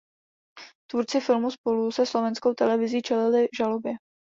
Tvůrci filmu spolu se Slovenskou televizí čelili žalobě.